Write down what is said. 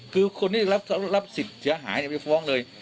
คือคนที่รับสิทธิ์เสียหายไปฟ้องเลย